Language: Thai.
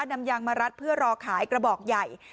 นำยางมะระปะเตอร์เพื่อรอขายกระบอกใหญ่